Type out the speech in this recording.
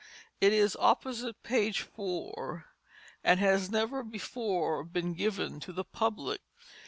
It is opposite page 4, and has never before been given to the public.